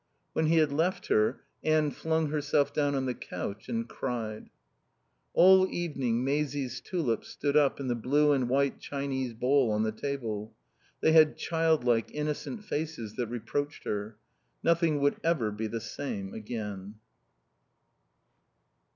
When he had left her Anne flung herself down on the couch and cried. All evening Maisie's tulips stood up in the blue and white Chinese bowl on the table. They had childlike, innocent faces that reproached her. Nothing would ever be the same again.